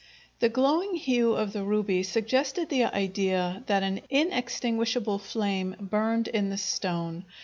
The glowing hue of the ruby suggested the idea that an inextinguishable flame burned in this stone.